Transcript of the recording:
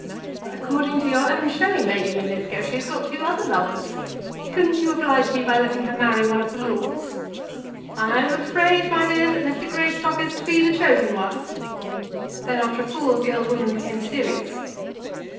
"According to your own showing, Lady Linlithgow, she has got two other lovers. Couldn't you oblige me by letting her marry one of the lords?" "I'm afraid, my dear, that Mr. Greystock is to be the chosen one." Then after a pause the old woman became serious.